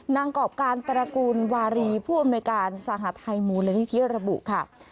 นางกอบการตระกูลวารีผู้อำนวยการสหภาษณ์ไทยมูลละนิธิระบุค่ะ